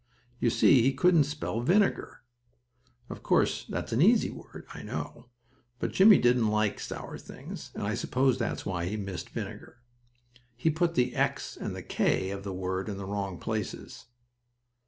You see he couldn't spell "vinegar." Of course that's an easy word, I know, but Jimmie didn't like sour things, and I suppose that's why he missed vinegar. He put the "x" and a "k" of the word in the wrong places.